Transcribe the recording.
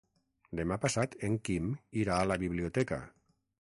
Demà passat en Quim irà a la biblioteca.